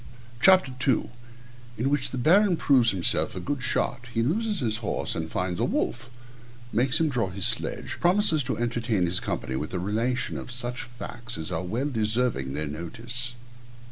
CHAPTER II _In which the Baron proves himself a good shot He loses his horse, and finds a wolf Makes him draw his sledge Promises to entertain his company with a relation of such facts as are well deserving their notice.